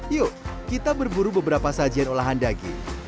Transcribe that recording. yuk kita berburu beberapa sajian olahan daging